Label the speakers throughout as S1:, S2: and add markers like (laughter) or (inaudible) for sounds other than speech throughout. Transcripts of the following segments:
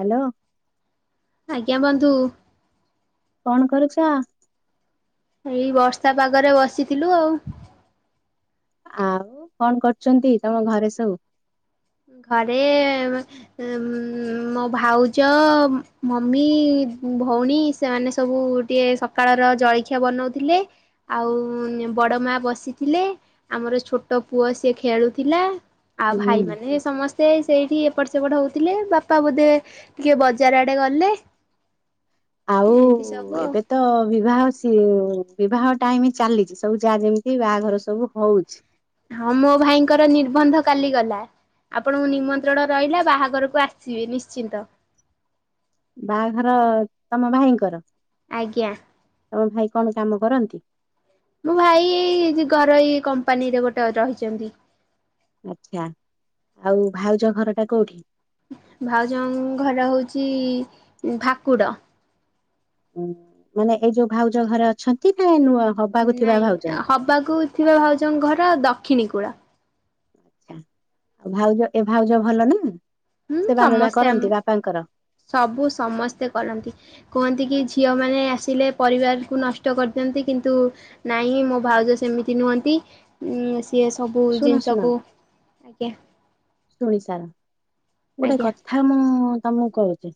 S1: Hello.
S2: କିୟା ବନ୍ଧୁ।
S1: କଣ କରୁଚ?
S2: ଏଇ ବର୍ଷା ପାଗରେ ବସିଥିଲୁ ଆଉ।
S1: ଆଉ କଣ କରୁଛନ୍ତି ତମ ଘରେ ସବୁ?
S2: ଘରେ ଉଁ ଉଁ ମୋ ଭାଉଜ ମମି। ଭଉଣୀ ସେମାନେ ସବୁ ଟିକେ ସକାଳର ଜଳଖିଆ ବନାଉଥିଲେ ଆଉ ବଡ ମା ବସିଥିଲେ ଆମର ଛୋଟ ପୁଅ ସିଏ ଖେଳୁଥିଲା ଆଉ
S1: ହୁଁ
S2: ଭାଇ ମାନେ ସେ ସେଇଠି ଏପଟ ସେପଟ ହଉଥିଲେ ବାପା ବୋଧେ ଟିକେ ବଜାର ଆଡେ ଗଲେ।
S1: ଆଉ
S2: ଏମିତି ସବୁ ଆଉ।
S1: ଏବେ ତ ବିବାହ ସିଏ ବିବାହ ଟାଇମ ଚାଲିଛି ସବୁ ଯାହା ଯେମିତି ବାହାଘର ସବୁ ହଉଛି।
S2: ହଁ ମୋ ଭାଇଙ୍କର ନିର୍ବନ୍ଧ କାଲି ଗଲା। ଆପଣଙ୍କୁ ନିମନ୍ତ୍ରଣ ରହିଲା ବାହାଘରକୁ ଆସିବେ ନିଶ୍ଚିନ୍ତ?
S1: ବାହାଘର ତମ ଭାଇଙ୍କର?
S2: ଆଜ୍ଞା।
S1: ତମ ଭାଇ କଣ କାମ କରନ୍ତି?
S2: ମୋ ଭାଇ ଏଇ ଘରୋଇ କମ୍ପାନୀରେ ଗୋଟେ ରହିଛନ୍ତି।
S1: ଆଛା ଆଉ ଭାଉଜ ଘର ଟା କୋଉଠି?
S2: ଭାଉଜଙ୍କ ଘର ହଉଛି ଭାକୁଡ।
S1: ହଁ ମାନେ ଏଇ ଯୋଉ ଭାଉଜ ଘରେ ଅଛନ୍ତି ନା ନୂଆ ହବାକୁ ଥିବା
S2: ନାଇଁ
S1: ଭାଉଜଙ୍କ?
S2: ହବାକୁ ଥିବା ଭାଉଜଙ୍କ ଘର ଦକ୍ଷିଣୀ କୂଳ।
S1: ଆଛା ଆଉ ଭାଉଜ ଏ ଭାଉଜ ଭଲ ନା
S2: ହୁଁ
S1: ସେବା ମେବା
S2: ସମସ୍ତେ ଆମ
S1: କରନ୍ତି ବାପାଙ୍କର?
S2: ସବୁ ସମସ୍ତେ କରନ୍ତି କୁହନ୍ତି କି ଝିଅ ମାନେ ମାନେ ଆସିଲେ ପରିବାରକୁ ନଷ୍ଟ କରିଦିଅନ୍ତି କିନ୍ତୁ ନହିଁ ହିଁ ମୋ ଭାଉଜ ସେମିତି ନୁହନ୍ତି। ହୁଁ ସିଏ ସବୁ
S1: ଶୁଣ
S2: ଜିନିଷକୁ ଆଜ୍ଞା।
S1: ଶୁଣିସାର ଗୋଟେ
S2: ଆଜ୍ଞା
S1: କଥା ମୁଁ ତମକୁ କହୁଛି?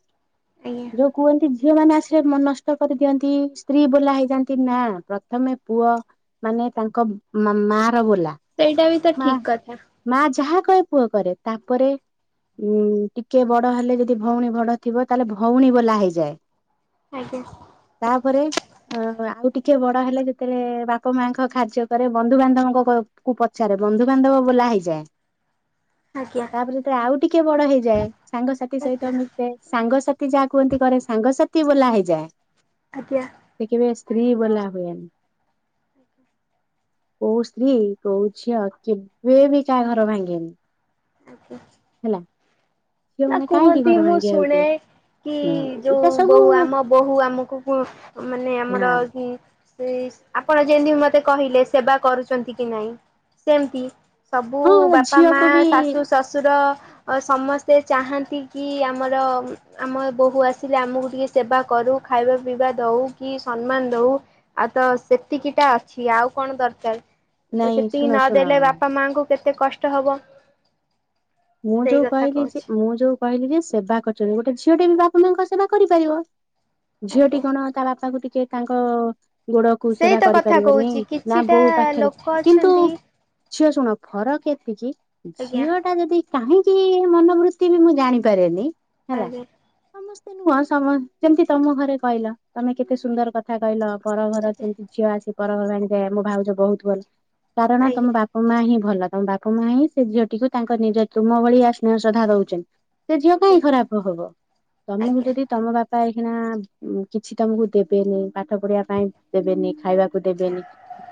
S2: ଆଜ୍ଞା
S1: ଯୋଉ କୁହନ୍ତି ଝିଅ ମନେ ଆସିଲେ ମନ ନଷ୍ଟ କରିଦିଅନ୍ତି ସ୍ତ୍ରୀ ବୋଲା ହେଇଯାନ୍ତି ନା ପ୍ରଥମେ ପୁଅ ମାନେ ତାଙ୍କ ମା ର ବୋଲା
S2: ସେଇଟା ବି ତ
S1: ମା
S2: ଠିକ କଥା
S1: ମା ଯାହା କହେ ପୁଅ କରେ ତାପରେ ଉଁ ଟିକେ ବଡ ହେଲେ ଯଦି ଭଉଣୀ ବଡ ଥିବ ତାହେଲେ ଭଉଣୀ ବୋଲା ହେଇଯାଏ।
S2: ଆଜ୍ଞା
S1: ତାପରେ ଅ ଆଉ ଟିକେ ବଡ ହେଲେ ଯେତେବେଳେ ବାପା ମାଙ୍କ କାର୍ଯ୍ୟ କରେ ବନ୍ଧୁବାନ୍ଧବଙ୍କ କୁ ପଚାରେ ବନ୍ଧୁବାନ୍ଧବ ବୋ ବୋଳା ହୋଇଯାଏ।
S2: ଆଜ୍ଞା
S1: ତାପରେ ଯେତେବେଳେ ଆଉ ଟିକେ ବଡ ହେଇଯାଏ ସାଙ୍ଗସାଥି
S2: ଆଜ୍ଞା
S1: ସହିତ ମିସେ ସାଙ୍ଗସାଥି ଯାହା କୁହନ୍ତି ଘରେ ସାଙ୍ଗସାଥି ସ୍ତ୍ରୀ ବୋଳା ହେଇଯାଏ।
S2: ଆଜ୍ଞା।
S1: ସେ କେବେ ସ୍ତ୍ରୀ ଭଲା ହୁଏନି। କୋଉ ସ୍ତ୍ରୀ କହୁ ଝିଅ କେବେ ବି କାହା ଘର ଭାଙ୍ଗେନି।
S2: ଆଜ୍ଞା।
S1: ହେଲା। ଝିଅ
S2: ନା
S1: ମାନେ କାହିଁକି
S2: କୁହନ୍ତି
S1: ଘର
S2: ମୁଁ
S1: ଭାଙ୍ଗିବାକୁ
S2: ଶୁଣେ
S1: ଯିବେ
S2: କି
S1: ହୁଁ
S2: ଯୋଉ
S1: ଏଇଟା ସବୁ
S2: ବୋହୂ ଆମ ବୋହୂ ଆମକୁ କୁ ମାନେ
S1: ନା
S2: ଆମର (unintelligible) ଆପଣ ଯେଏଁତି ମତେ କହିଲେ ସେବା କରୁଛନ୍ତି କି ନାଇଁ ସେମ୍ ତି। ସବୁ
S1: ହଁ
S2: ବାପା ମା
S1: ଝିଅକୁ ବି
S2: ଶାଶୁ ଶଶୁର ଅ ସମସ୍ ସେ ଚାହାନ୍ତି କି ଆମର ଆମ ବୋହୂ ଆସିଲେ ଆମକୁ ଟିକେ ସେବା କରୁ ଖାଇବା ପିଇବା ଦଉ କି ସମ୍ମାନ ଦଉ ଆଉ ତ ସେତିକିଟା ଅଛି ଆଉ କଣ ଦରକାର୍? ତ
S1: ନାଇଁ
S2: ସେତିକି
S1: ଶୁଣ ଶୁଣ
S2: ନଦେଲେ ବାପା ମାଙ୍କୁ କେତେ କଷ୍ଟ ହବ।
S1: ମୁଁ
S2: ସେଇ
S1: ଯୋଉ
S2: କଥା
S1: କହିକି ଯି
S2: କହୁଛି
S1: ମୁଁ ଯୋଉ କହିଲି ଯେ ସେବା କରୁଚନ୍ତି ଗୋଟେ ଝିଅ ଟେ ବି ବାପ ମାଙ୍କ ସେବା କରିପାରିବ। ଝିଅଟି
S2: ଆଜ୍ଞା।
S1: କଣ ତା ବାପାକୁ ଟିକେ ତାଙ୍କ ଗୋଡ଼ କୁ
S2: ସେଇ
S1: ସେବା
S2: ତ କଥା
S1: କରିପାରିବନି
S2: କହୁଛି
S1: ନା
S2: କିଛିଟା
S1: ବୋଉ ପାଖେରେ
S2: ଲୋକ
S1: କିନ୍ତୁ
S2: ଅଛନ୍ତି
S1: ଝିଅ ଶୁଣ ଫରକ୍ ଏତିକି
S2: ଆଜ୍ଞା
S1: ଝିଅ ଟା ଯଦି କାହିଁକି ଏ ମନୋବୃତ୍ତି ବି ମୁଁ ଜାଣିପାରେନି
S2: ଆରେ
S1: ତି ନୁଅଁ ସମ ଯେମ୍ ତି ତମ ଘରେ କହିଲ ତମେ କେତେ ସୁନ୍ଦର କଥା କହିଲ ପର ଘର
S2: ଆଜ୍ଞା
S1: କେମିତି ଝିଅ ଆସି ପର ଘର ଭାଙ୍ଗିଦିଏ ମୋ ଭାଉଜ ବୋହୁତ୍ ଭଲ କାରଣ
S2: ଆଜ୍ଞା
S1: ତମ ବାପା ମା ହିଁ ଭଲ ତମ ବାପା ମାଆ ହିଁ ସେ ଝିଅଟିକୁ ତାଙ୍କ ନିଜ ତୁମ ଭଳିଆ ସ୍ନେହ ଶ୍ରଦ୍ଧା ଦୋଉଛନ୍ତି। ସେ ଝିଅ କାହିଁ
S2: ଆଜ୍ଞା
S1: ଖରାପ ହବ ତମକୁ
S2: ଆଜ୍ଞା
S1: ଯଦି ତମ ବା ପା ହେଇକିନା କିଛି ତମକୁ ଦେବେନି। ପାଠ ପଢ଼ିବା ପାଇଁ ଦେବେନି ଖାଇବାକୁ
S2: ଆଜ୍ଞା
S1: ଦେବେନି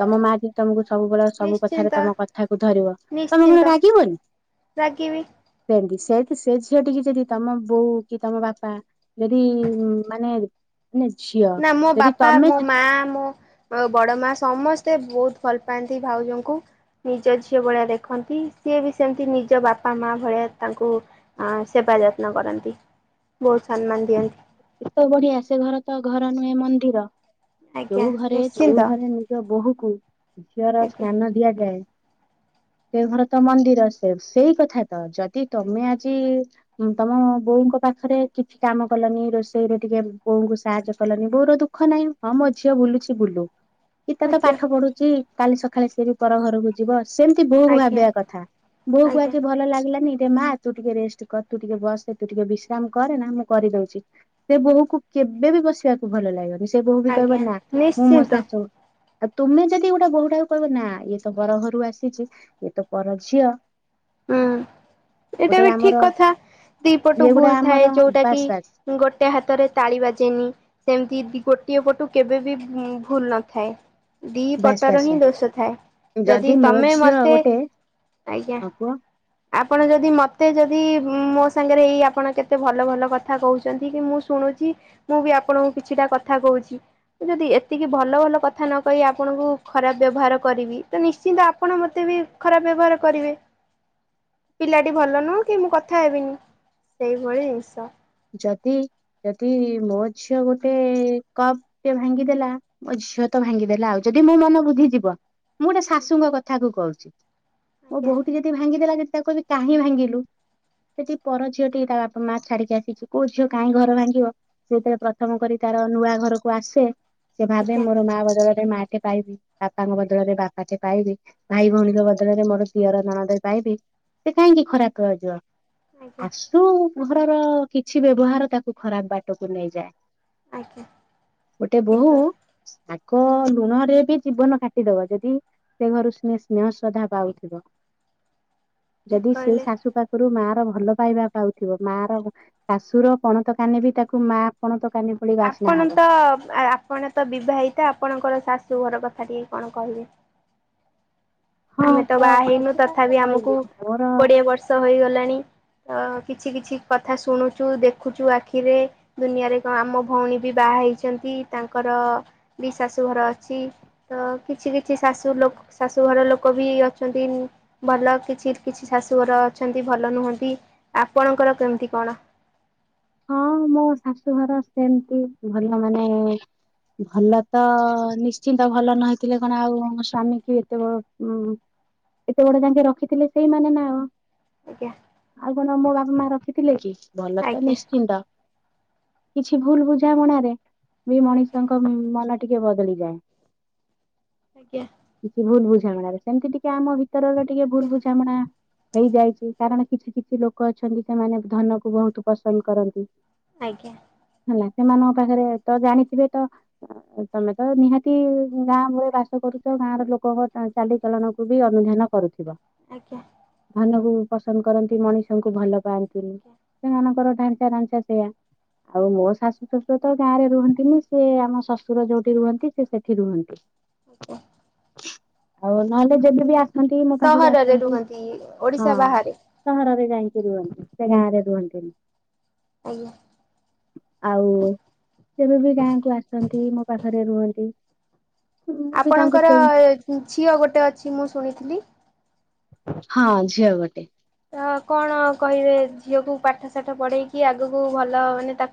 S1: ତମ ମା ଯଦି ତମକୁ ସବୁବେଳେ ସବୁ କଥାରେ
S2: ନିଶ୍ଚିନ୍ତ
S1: ତମ କ କଥାକୁ ଧରିବ ତମେ
S2: ନିଶ୍ଚିନ୍ତ
S1: କଣ ରାଗିବନି?
S2: ରାଗିବି।
S1: (unintelligible) ସେଏତି ସେ ଝିଅ ଟିକି ଯଦି ତମ ବୋଉ କି ତମ ବାପା ଯଦି ମାନେ ଝିଅ
S2: ନା ମୋ
S1: ଯଦି
S2: ବାପା
S1: ତମେ
S2: ମୋ ମା ମୋ ବଡ଼ ମା ସମସ୍ତେ ବୋହୁତ୍ ଭଲ୍ ପାଆନ୍ତି ଭାଉଜଉଙ୍କୁ। ନିଜ ଝିଅ ଭଳିଆ ଦେଖନ୍ତି ସିଏ ବି ସେମ୍ ତି ନିଜ ବାପା ମା ଭଳିଆ ତାଙ୍କୁ ଆଁ ସେ ବା ଯତ୍ନ କରନ୍ତି ବୋହୁତ୍ ସମ୍ମାନ୍ ଦିଅନ୍ତି।
S1: ଏତେ ବଢ଼ିଆ ସେ ଘର ତ ଘର ନୁହେଁ ମନ୍ଦିର।
S2: ଆଜ୍ଞା
S1: ଯୋଉ ଘରେ ଯୋଉ
S2: ନିଶ୍ଚିନ୍ତ
S1: ଘରେ ନିଜ ବୋହୂକୁ ଝିଅର
S2: ଆଜ୍ଞା
S1: ସ୍ନାନ ଦିଆଯାଏ। ସେ ଘର ତ ମନ୍ଦିର ସେ-ସେଇ କଥା ତ ଯଦି ତମେ ଆଜି ହୁଁ ତମ ବୋଉଙ୍କ ପାଖରେ କିଛି କାମ କଲନି ରୋଷ୍ ସେଇରେ ଟିକେ ବୋଉଙ୍କୁ ସାହାଯ୍ୟ କଲନି ମୋର ଦୁଃଖ ନାହିଁ ହଁ ମୋ ଝିଅ ବୁଲୁଛି ବୁଲୁ। ଗୀତା ତ
S2: ଆଜ୍ଞା ଆଜ୍ଞା
S1: ପାଠ ପଢ଼ୁଛି କାଲି ସକାଳେ ସେବି ପର ଘରକୁ ଯିବ ସେମ୍ ତି ବୋହୂ କୁ ଭାବିବା କଥା ବୋଉକୁ
S2: ଆଜ୍ଞା
S1: ଆଜି ଭଲ ଲାଗିଲାନି ଏ ମା ତୁ ଟିକେ ରେଷ୍ଟ୍ କର ତୁ ଟିକେ ବସେ ତୁ ଟିକେ ବିଶ୍ରାମ କରେ ନା ମୁଁ କରିଦଉଛି। ସେ ବୋହୂକୁ କେବେ ବି ବସିବାକୁ ଭଲ ଲାଗିବନି ସେ ବୋହୂ ବି
S2: ଆଜ୍ଞା
S1: କହିବ
S2: ଆଜ୍ଞା
S1: ନା ମୁଁ ମୋ
S2: ନିଶ୍ଚିନ୍ତ
S1: ଶାଶୁ ଆଉ ତୁମେ ଯଦି ଗୋଟେ ବୋହୂ ଟାକୁ କହିବ ନା ଇଏ ତ ପର ଘରୁ ଆସିଛି ଇଏ ତ ପର ଝିଅ।
S2: ହୁଁ। ଏଇଟା
S1: ଗୋଟେ
S2: ବି ଠିକ୍
S1: ଆମର
S2: କଥା ଦିପଟୁ
S1: ଇଏ ଗୋଟେ
S2: ଭୁଲ୍
S1: ଆମର
S2: ଥାଏ ଯୋଉଟା କି
S1: ବାସ୍ ବାସ୍
S2: ଗୋ ଟେ ହାତରେ ତାଳି ବାଜେନି ସେମ୍ ତି ଗୋଟିଏ ପଟୁ କେବେ ବିି (unintelligible) ଭୁଲ୍ ନଥାଏ। ଦି
S1: ବାସ୍
S2: ପଟ ର
S1: ବାସ୍
S2: ହିଁ ଦୋଷ ଥାଏ ଯଦି ତମେ ମତେ ଆଜ୍ଞା
S1: ଆଉ କୁହ?
S2: ଆପଣ ଯଦି ମତେ ଯଦି ମୋ ସାଙ୍ଗରେ ଏଇ ଆପଣ କେତେ ଭଲ ଭଲ କଥା କହୁଛନ୍ତି କି ମୁଁ ମୁଁ ଶୁଣୁଛି ମୁଁ ବି ଆପଣଙ୍କୁ କିଛିଟା କଥା କହୁଛି ଯଦି ଏତିକି ଭଲ ଭଲ କଥା ନ କହି ଆପଣଙ୍କୁ ଖରାପ୍ ବ୍ୟବହାର କରିବି ତ ନିଶ୍ଚିନ୍ତ ଆପଣ ମତେ ବି ଖରାପ୍ ବ୍ୟବହାର କରିବେ। ପିଲାଟି ଭଲ ନୁଁ କି ମୁଁ କଥା ହେବିନି ସେଇଭଳି ଜିନ୍ ଷ।
S1: ଯଦି ଯଦି ମୋ ଝିଅ ଗୋଟେ କପ୍ ଟେ ଭାଙ୍ଗିଦେଲା ମୋ ଝିଅ ତ ଭାଙ୍ଗିଦେଲା ଆଉ ଯଦି ମୋ ମନ ବୁଝିଯିବ ମୁଁ ଗୋଟେ ଶାଶୁଙ୍କ କଥାକୁ କହୁଛି। ମୋ
S2: ଆଜ୍ଞା
S1: ବୋହୁଟି ଯଦି ଭାଙ୍ଗିଦେଲା (unintelligible) ତାକୁ କହିବି କାହିଁ ଭାଙ୍ଗିଲୁ ସେଠି ପର ଝିଅଟି ତା ବାପା ମା ଛାଡ଼ି ଯା ଇଚି କୋଉ ଝିଅ କାହିଁ ଘର ଭାଙ୍ଗିବ ସେଇଥିରେ ପ୍ରଥମ କରି ତାର ନୂଆ ଘରକୁ ଆସେ ସେ ଭାବେ
S2: ଆଜ୍ଞା
S1: ମୋର ମା ବଦଳ ରେ ମାଟେ ପାଇବି। ବାପାଙ୍କ ବଦଳରେ ବାପାଟେ ପାଇବି। ଭାଇ ଭଉଣୀଙ୍କ ବଦଳରେ ମୋର ଦିଅର ନଣନ୍ଦ ପାଇ ଇବି ସେ କାହିଁକି ଖରାପ ହୋଇଯିବ।
S2: ଆଜ୍ଞା
S1: ଆସୁ ଘରର କିଛି ବ୍ୟବହାର ତାକୁ ଖରାପ ବାଟକୁ ନେଇଯାଏ।
S2: ଆଜ୍ଞା
S1: ଗୋଟେ ବୋହୂ
S2: ଠିକ୍
S1: ଆ କ-ଲୁଣରେ ବି ଜୀବନ କାଟିଦବ ଯଦି ସେ ଘରୁ ସ୍ନେ ସ୍ନେହ ଶ୍ରଦ୍ଧା ପାଉଥିବ।
S2: ଠିକ୍
S1: ଯଦି ସେଇ
S2: କହିଲେ।
S1: ଶାଶୁ ପାଖରୁ ମା ର ଭଲ ପାଇବା ପାଉଥିବ। ମା ର ଶାଶୁର ପଣତ କାନି ବି ତାକୁ ମା ପଣତ କାନି ଭଳି ବାସ୍ନା
S2: ଆପଣ
S1: ହବ।
S2: ତ ଆ, ଆପଣ ତ ବିବାହିତା ଆପଣଙ୍କର ଶା ଶୁ ଘର କଥା ଟିକେ କଣ କହିବେ?
S1: ହଁ
S2: ଆମେ ତ ବାହା ହେଇନୁ
S1: ସେଥିପାଇଁ ତ
S2: ତଥାପି ଆମକୁ
S1: କହିଲି ମୋର
S2: କୋଡିଏ ବର୍ଷ ହୋଇଗଲାଣି। ତ କିଛି କିଛି କଥା ଶୁଣୁଛୁ ଦେଖୁଛୁ ଆଖିରେ। ଦୁନିଆରେ କଣ ଆମ ଭଉଣୀ ବି ବାହା ହେଇଛନ୍ତି। ତି ତାଙ୍କର ବି ଶାଶୁଘର ଅଛି। ତ କିଛି କିଛି ଶାଶୁ ଲୋକ ଶାଶୁଘର ଲୋ କ ବି ଅଛନ୍ତି ଭଲ। କିଛି କିଛି ଶାଶୁଘର ଅଛନ୍ତି ଭଲ ନୁହନ୍ତି। ଆପଣଙ୍କ ର କେମିତି କଣ?
S1: ହଁ ମୋ ଶାଶୁଘର ସେମତି ଭଲ ମାନେ ଭଲ ତ ନିଶ୍ଚିନ୍ତ ଭଲ ନ ହେଇଥିଲେ କଣ ଆଉ ମୋ ସ୍ଵାମୀ କି ଏତେ ବଡ ଉଁ ଏତେ ବଡ ଯାଙ୍କେ ରଖିଥିଲେ ସେଇମାନେ ନା ଆଉ।
S2: ଆଜ୍ଞା
S1: ଆଉ କଣ ମୋ ବାପା ମା ରଖିଥିଲେ କି। ଭଲ ତ
S2: ଆଜ୍ଞା
S1: ନିଶ କିଛି ଭୁଲ ବୁଝାମଣାରେ ବି
S2: ଆଜ୍ଞା
S1: ମଣିଷଙ୍କ ଉଁ, ମନ ଟିକେ ବଦଳି ଯାଏ।
S2: ଆଜ୍ଞା।
S1: କିଛି ଭୁଲ ବୁଝାମଣାରେ ସେମତି ଟିକେ ଆମ ଭି ତରର ଟିକେ
S2: ଆଜ୍ଞା
S1: ଭୁଲ ବୁଝାମଣା ହେଇଯାଇଛି। କାରଣ କିଛି କିଛି ଲୋକ ଅଛନ୍ତି ସେମାନେ ଧନକୁ ବହୁତ ପସନ୍ଦ କରନ୍ତି।
S2: ଆଜ୍ଞା।
S1: ହେଲା ସେମାନଙ୍କ ପାଖରେ ତ ଜାଣିଥିବେ ତ ଅ, ତୋମେ ତ ନିହାତି ଗାଁ ଘରେ ବାସ କରୁ (unintelligible) ଗାଁ ର ଲୋକଙ୍କ ଟା-ଚାଲିଚଳଣକୁ ବି ଅନୁଧ୍ୟାନ କରୁଥିବ।
S2: ଆଜ୍ଞା।
S1: ମନକୁ ପସନ୍ଦ କରନ୍ତି ମଣିଷଙ୍କୁ ଭଲ ପାଆନ୍ତିନି।
S2: ଆଜ୍ଞା।
S1: ସେମାନଙ୍କର ଢାଞ୍ଚା ଢାଞ୍ଚା ସେଇୟା। ଆଉ ମୋ ଶାଶୁ ଶଶୁର ତ ଗାଁ ରେ ରୁହନ୍ତିନି। ସିଏ ଆମ ଶଶୁର ଯୋଉଠି ରୁହନ୍ତି ସେ ସେଠି ରୁହନ୍ତି।
S2: ଓ।
S1: ଆଉ ନହେଲେ ଯଦି ବି ଆ ସନ୍ତି ମୋ ପାଖକୁ
S2: ସହରରେ
S1: ଆସନ୍ତି।
S2: ରୁହନ୍ତି
S1: ହଁ
S2: ଓଡିଶା ବାହାରେ
S1: ସହରରେ ଯାଇକି ରୁହନ୍ତି ସେ ଗାଁ ରେ ରୁହନ୍ତିନି।
S2: ଆଜ୍ଞା।
S1: ଆଉ କେବେ ବି ଗାଁକୁ ଆସନ୍ତି ମୋ ପାଖରେ ରୁହନ୍ତି। ମୁଁ ବି ତାଙ୍କୁ
S2: ଆପଣଙ୍କର
S1: ସେ
S2: ଝିଅ ଗୋଟେ ଅଛି ମୁଁ ଶୁଣିଥିଲି।
S1: ହଁ ଝିଅ ଗୋଟେ।
S2: ତ କଣ କହିବେ ଝିଅକୁ ପାଠ ସାଠ ପଢେଇକି ଆଗକୁ ଭଲ ମାନେ ତା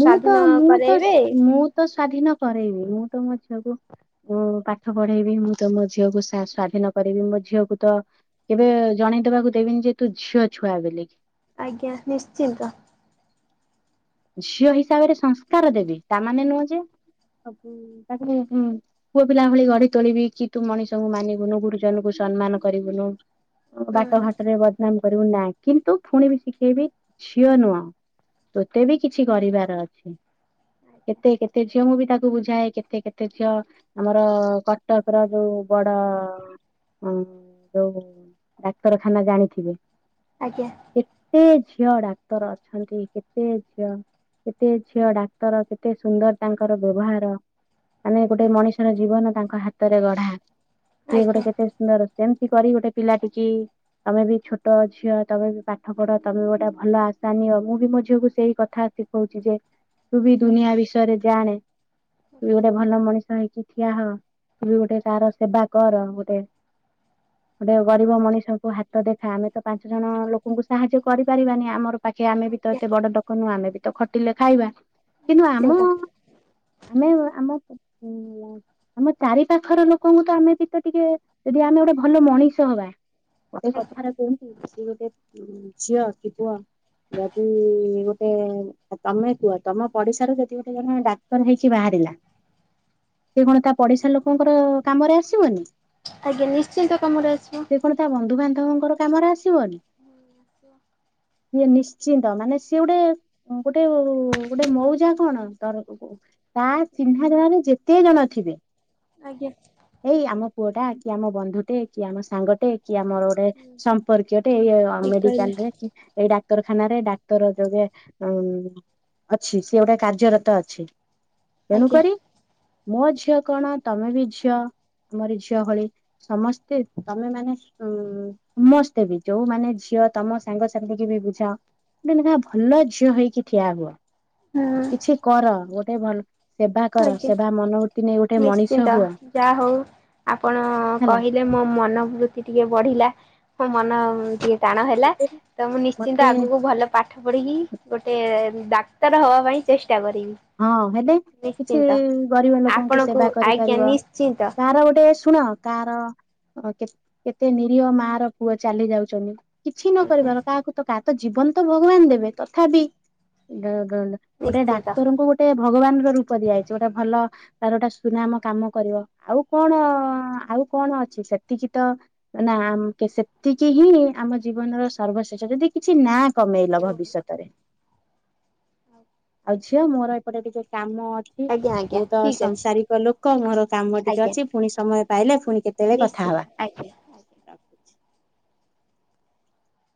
S1: ମୁଁ ତ ମୁଁ ତ ମୁଁ ତ ସ୍ଵାଧୀନ କରେଇବି। ମୁଁ ତ ମୋ ଝିଅକୁ ଉ, ପାଠ ପଢେଇବି। ମୁଁ ତ ମୋ ଝିଅକୁ ସା-ସ୍ଵାଧୀନ କରିବି। ମୋ ଝିଅକୁ ତ କେବେ ଜଣେଇଦବାକୁ ଦେବିନି ଯେ ତୁ ଝିଅ ଛୁଆ ବେଲି କିି।
S2: ଆଜ୍ଞା ନିଶ୍ଚିନ୍ତ।
S1: ଝିଅ ହିସାବରେ ସଂସ୍କାର ଦେବି। ତାମାନେ ନୁହଁ ଯେ ସବୁ ତାକୁ ମୁଁ ମୁଁ ପୁଅ ପିଲା ଭଳି ଗଢି ତୋଳିବି କି ତୁ ମଣିଷଙ୍କୁ ମାନିବୁନୁ। ଗୁରୁଜନଙ୍କୁ ସମ୍ମାନ କରିବୁନୁ। ଅ,
S2: ହୁଁ
S1: ବାଟଘାଟରେ ବଦନାମ କରିବୁ ନାଇ। କିନ୍ତୁ ଫୁଣି ବି ଶିଖେଇବି ଝିଅ ନୁହଁ ତୁ ତୋତେ ବି କିଛି କରିବାର ଅଛି। କେତେ କେତେ ଝିଅ ମୁଁ ବି ତାକୁ ବୁଝାଏ କେତେ କେତେ ଝିଅ ଆମର କଟକ ର ଯୋଉ ବଡ ଅଁ, ଯୋଉ ଡାକ୍ତରଖାନା ଜାଣିଥିବେ?
S2: ଆଜ୍ଞା।
S1: କେତେ ଝିଅ ଡାକ୍ତର ଅଛନ୍ତି। କେ ସେ ଝିଅ କେତେ ଝିଅ ଡାକ୍ତର କେତେ ସୁନ୍ଦର ତାଙ୍କର ବ୍ୟବହାର। ମାନେ ଗୋଟେ
S2: ଆଜ୍ଞା
S1: ମଣିଷର ଜୀବନ ତାଙ୍କ ହାତରେ ଗଢା ସିଏ ଗୋଟେ
S2: ଆଜ୍ଞା
S1: କେତେ ସୁନ୍ଦର। ସେମିତି କରି ଗୋଟେ ପିଲା ଟିକି। ତମେ ବି ଛୋଟ ଝିଅ ତମେ ବି ପାଠ ପଢ ତମେ ବି ଗୋଟେ ଭଲ ଆଶା ନିଅ ମୁଁ ବି ମୋ ଝୀ ଝିଅ କୁ ସେଇ କଥା ଶିଖଉଛି ଯେ ତୁ ବି ଦୁନିଆ ବିଷୟରେ ଜାଣେ। କି ଗୋଟେ ଭଲ ମଣିଷ ହେଇକି ଠିଆ ହୋ। ତୁ ଗୋଟେ କାର ସେବା କର ଗୋଟେ। ଗୋଟେ ଗରିବ ମଣିଷଙ୍କୁ ହାତ ଦେଖା ଆମେ ତ ପାଞ୍ଚ ଜଣ ଲୋକଙ୍କୁ ସାହାଯ୍ୟ କରିପାରିବାନି ଆମର। ପାଖେ ଆମେ ବି ତ। ଏତେ ବଡ ଲୋକ ନୁଅ ଆମେ ବି ତ ଖଟିଲେ ଖାଇବା
S2: ଆଜ୍ଞା
S1: କିନ୍ତୁ ଆମ।
S2: ନିଶ୍ଚିନ୍ତ
S1: ଆମେ ଆମ ଉଁ ଆମ ଚାରି ପାାଖର ଲୋକଙ୍କୁ ତ ଆମେ କିଛି ତ ଟିକେ ଯଦି ଆମେ। ଗୋଟେ ଭଲ ମଣିଷ ହବା। ଗୋଟେ
S2: ଆଜ୍ଞା
S1: କଥାରେ କୁହନ୍ତି କି ଗୋଟେ ଝିଅ କି ପୁଅ ଯ ଦି ଗୋଟେ। ତମେ କୁହ ତମ ପଡିଶାରୁ ଯଦି ଗୋଟେ ଜଣେ ଡାକ୍ତର ହେଇକି ବାହାରିଲା। ସିଏ କଣ ତା ପଡିଶା ଲୋକଙ୍କର କାମରେ ଆସିବନି।
S2: ଆଜ୍ଞା ନିଶ୍ଚିନ୍ତ କାମରେ ଆସିବ ‌
S1: ଲୋକଙ୍କର କାମରେ ଆସିବନି। ନିଶ୍ଚିନ୍ତ ମାନେ ସିଏ ଗୋଟେ ଗୋଟେ ଗୋଟେ ମଉଜା କଣ ତର ତା। ଚିହ୍ନା ଜଣା ରେ ଯେତେ ଜଣ ଥିବେ।
S2: ଆଜ୍ଞା।
S1: ପୁଅ ଟା କି ଆମ ବନ୍ଧୁଟେ କି ଆମ ସାଙ୍ଗଟେ କି ଆମର। ସମ୍ପର୍କୀୟଟେ ଏଇ
S2: ଠିକ କହିଲେ
S1: ମେଡିକାଲ ରେ ଏଇ ଡା ଖାନରେ ଡାକ୍ତର ଯୋଗେ ଅଛି ସିଏ ଗୋଟେ କାର୍ଯ୍ୟରତ ଅଛି। ଏଣୁ
S2: ଆଜ୍ଞା
S1: କରି ମୋ ଝିଅ କଣ ତମେ ବି ଝଅ। ଆମର ଝିଅ ଭଳି ସମସ୍ତେ ତମେ ମାନେ ଉଁ ସମସ୍ତେ ବି ଯୋଉମାନେ ଝିଅ। କୁଅ ତମ ସାଙ୍ଗସାଥିୀ କି ବି ବୁଝାଅ। ଗୋଟେ ଲେଖା ଭଲ ଝିଅ ହେଇକି ଠିଆ ହୁଅ
S2: ହୁଁ
S1: କିଛି କର ଗୋଟେ ଭଲ। ସେବା କର
S2: ଆଜ୍ଞା।
S1: ସେବା ମନ।
S2: ନିଶ୍ଚିନ୍ତ ଯା ହଉ। ଆପଣ
S1: ହେଲା
S2: କହିଲେ ମୋ ମନୋବୃତ୍ତି ଟିକେ ବଢିଲା ମୋ ମନ ଟିକେ। ଟାଣ ହେଲା
S1: ମତେ
S2: ତ ମୁଁ ନିଶ୍ଚିନ୍ତ
S1: ମତେ
S2: ଆଗକୁ ଭଲ ପାଠ ପଢ଼ିକି ଗୋଟେ। ଡାକ୍ତର ହବା ପାଇଁ ଚେଷ
S1: ହଁ ହେଲେ। କିଛି ଗରିବ ଲୋକଙ୍କୁ
S2: ଆପଣଙ୍କୁ
S1: ସେବା
S2: ଆଜ୍ଞା
S1: କରିପାରିବ
S2: ନିଶ୍ଚିନ୍ତ
S1: କାହାର ଗୋଟେ ଶୁଣ କାହାର। କେ କେତେ ନିରୀହ ମା ର ପୁଅ ଚାଲି ଯାଉଛନ୍ତି। କିଛି ନ
S2: ଆଜ୍ଞା
S1: କରିପାର କାହାକୁ ତ କାହା ତ ଜୀବନ ତ ଭଗବାନ ଦେବେ ତଥାପି। ଗୋଟେ
S2: ନିଶ୍ଚିନ୍ତ।
S1: ଡାକ୍ତରଙ୍କୁ ଗୋଟେ ଭଗବାନ ର ରୂପ ଦିଆଯାଇଛି ଗୋଟେ ଭଲ। ତାର ଗୋଟା ସୁନାମ କାମ କରିବ ଆଉ କଣ ଆଉ କଣ ଅଛି ସେତିକି ତ ନା। ଆମ୍ ତ ସେତିକି ହିଁ ଆମ ଜୀବନର ସର୍ବଶ୍ରେଷ ଯଦି କିଛି। କିଛି ନା କମେଇଲ ଭବିଷ୍ୟତରେ ଆଉ। ଝିଅ ମୋର ଏପଟେ ଟିକେ କାମ ଅଛି।
S2: ଆଜ୍ଞା ଆଜ୍ଞା
S1: ମୁଁ ତ
S2: ଠିକ୍ ଅଛି
S1: ସଂସାରିକ ଲୋକ ମୋର କାମ ଟିକେ
S2: ଆଜ୍ଞା
S1: ଅଛି ପୁଣି ସମୟ ପାଇଲେ ପୁଣି କେତେବେଳେ କଥା
S2: ନିଶ୍ଚିତ
S1: ହବା।
S2: ଆଜ୍ଞା ଆଜ୍ଞା।
S1: ରଖୁଛି।